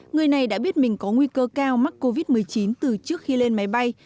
người này đã biết mình có nguy cơ cao mắc covid một mươi chín từ trước khi lên máy bay